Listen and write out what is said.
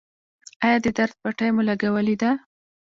ایا د درد پټۍ مو لګولې ده؟